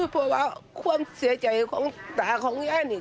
เพราะว่าความเสียใจของตาของยายนี่